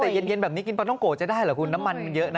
แต่เย็นแบบนี้กินปลาท้องโกะจะได้เหรอคุณน้ำมันมันเยอะนะ